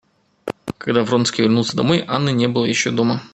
Когда Вронский вернулся домой, Анны не было еще дома.